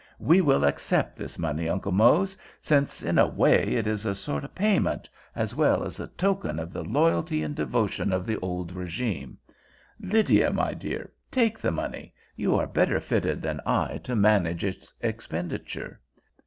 We will accept this money, Uncle Mose, since, in a way, it is a sort of payment, as well as a token of the loyalty and devotion of the old régime. Lydia, my dear, take the money. You are better fitted than I to manage its expenditure."